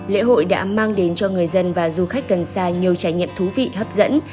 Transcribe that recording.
lễ hội đã mang đến cho người dân và du khách gần xa nhiều trải nghiệm thú vị hấp dẫn